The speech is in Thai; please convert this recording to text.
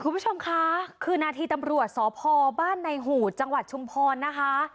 คุณผู้ชมคะคือนาทีตำรวจสพบ้านในหูดจังหวัดชุมพรนะคะ